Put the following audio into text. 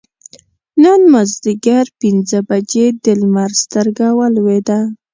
نن مازدیګر پینځه بجې د لمر سترګه ولوېده.